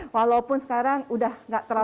walaupun sekarang udah nggak terlalu pagi